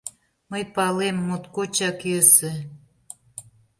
Мый палем, моткочак йӧсӧ